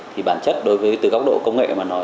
thì bản chất đối với từ góc độ công nghệ mà nói